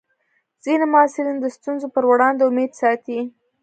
ځینې محصلین د ستونزو پر وړاندې امید ساتي.